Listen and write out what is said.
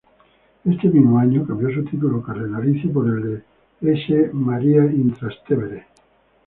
Este mismo año cambió su título cardenalicio por el de "S. Maria in Trastevere".